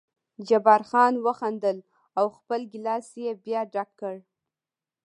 جبار خان وخندل او خپل ګیلاس یې بیا ډک کړ.